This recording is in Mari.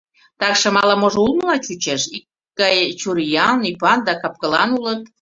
Такшым ала-можо улмыла чучеш: икгай чуриян, ӱпан да кап-кылан улыт.